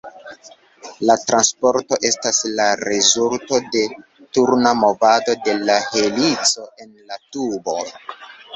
La transporto estas la rezulto de turna movado de la helico en la tubo.